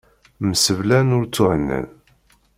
Mseblan ur ttuhennan.